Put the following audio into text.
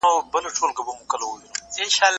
تا چي ول لاره به بنده وي